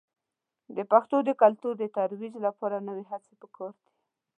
د پښتو د کلتور د ترویج لپاره نوې هڅې په کار دي.